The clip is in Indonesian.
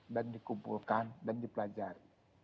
dan dikumpulkan dan dipelajari